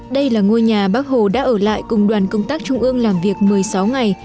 đây là ngôi nhà bác hồ đã ở lại cùng đoàn công tác trung ương làm việc một mươi sáu ngày